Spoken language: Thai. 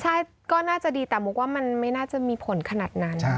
ใช่ก็น่าจะดีแต่มุกว่ามันไม่น่าจะมีผลขนาดนั้น